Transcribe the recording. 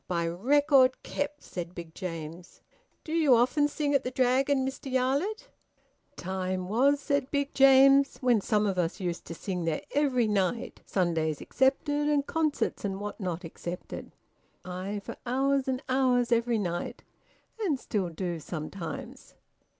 "By record kept," said Big James. "Do you often sing at the Dragon, Mr Yarlett?" "Time was," said Big James, "when some of us used to sing there every night, Sundays excepted, and concerts and whatnot excepted. Aye! For hours and hours every night. And still do sometimes."